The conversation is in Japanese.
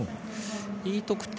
Ｅ得点。